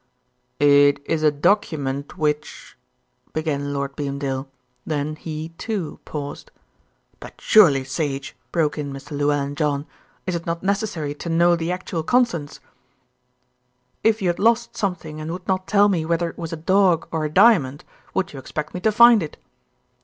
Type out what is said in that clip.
"It is a document which " began Lord Beamdale, then he, too, paused. "But, surely, Sage," broke in Mr. Llewellyn John, "is it not necessary to know the actual contents?" "If you had lost something and would not tell me whether it was a dog or a diamond, would you expect me to find it?"